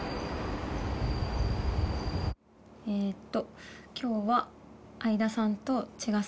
えーっと。